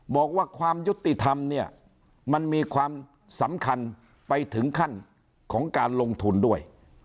บอกว่าความยุติธรรมเนี่ยมันมีความสำคัญไปถึงขั้นของการลงทุนด้วย